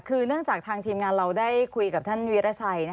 คือเนื่องจากทางทีมงานเราได้คุยกับท่านวิราชัย